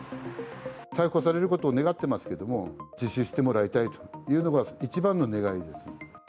逮捕されることを願ってますけれども、自首してもらいたいというのが一番の願いです。